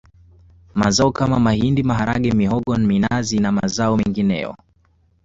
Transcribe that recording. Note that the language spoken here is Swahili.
Mazao kama mahindi maharage mihogo minazi na mazao mengineyoâŠ